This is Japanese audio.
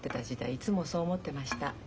いつもそう思ってました。